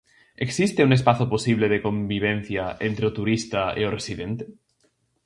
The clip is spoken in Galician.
Existe un espazo posible de convivencia entre o turista e o residente?